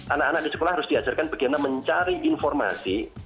anak anak di sekolah harus diajarkan bagaimana mencari informasi